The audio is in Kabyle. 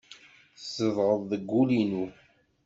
Tzedɣeḍ deg wul-inu.